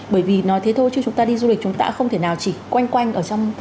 bởi vì nói thế thôi chứ chúng ta đi du lịch chúng ta không thể nào chỉ quanh quanh ở trong